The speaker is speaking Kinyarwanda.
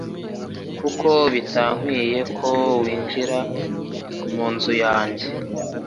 kuko bitankwinye ko winjira mu nzu yanjye.»